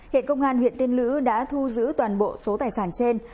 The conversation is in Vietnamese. hiện công an huyện tiên lữ đã thu giữ toàn bộ số tài sản trên